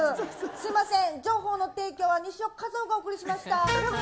すみません、情報の提供は西尾一男がお送りしました。